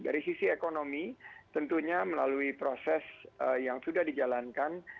dari sisi ekonomi tentunya melalui proses yang sudah dijalankan